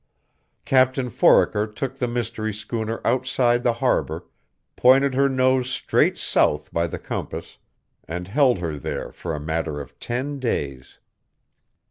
Captain Foraker took the mystery schooner outside the harbor, pointed her nose straight south by the compass, and held her there for a matter of ten days.